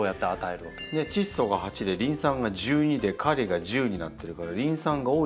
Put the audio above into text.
チッ素が８でリン酸が１２でカリが１０になってるからリン酸が多い肥料